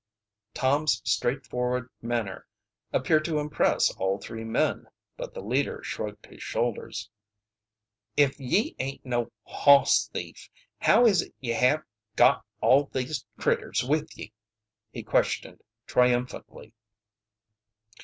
Tom's straightforward manner appeared to impress all three men. But the leader shrugged his shoulders. "Ef ye aint no hoss thief, how is it ye hev got all these critters with ye?" he questioned triumphantly.